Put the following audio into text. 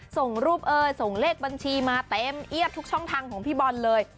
ส่งรูปเอ้ยส่งเลขบัญชีมาเต็มเอียดทุกช่องทางของพี่บอลเลย